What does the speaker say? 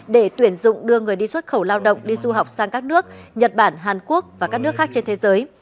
để tuyển dụng đưa người đi xuất khẩu lao động đi du học sang các nước nhật bản hàn quốc và các nước khác trên thế giới